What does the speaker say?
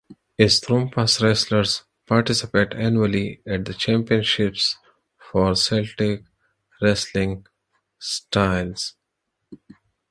Istrumpa's wrestlers participate annually at the championships for Celtic wrestling stiles.